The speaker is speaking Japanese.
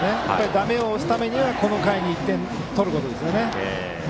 だめを押すためにはこの回に１点取ることですね。